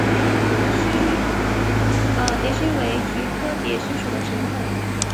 蝶须为菊科蝶须属的植物。